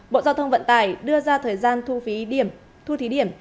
bộ giao thông vận tải đưa ra thời gian thu phí điểm thu thí điểm